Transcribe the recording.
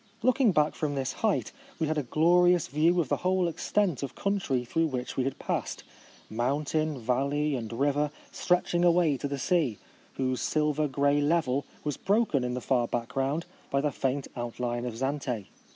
Looking back from this height, we had a glorious view of the whole extent of country through which we had passed — mountain, valley, and river, stretch ing away to the sea, whose silver grey level was broken in the far background by the faint outline of Zante.